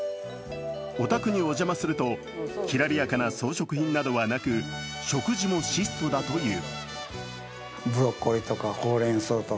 お宅にお邪魔すると、きらびやかな装飾品などはなく食事も質素だという。